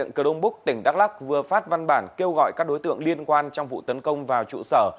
công an huyện cờ đông búc tỉnh đắk lắc vừa phát văn bản kêu gọi các đối tượng liên quan trong vụ tấn công vào trụ sở